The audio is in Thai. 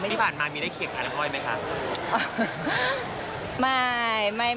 ที่ผ่านมามีได้เขียนกับอาร์นาบอยไหมคะ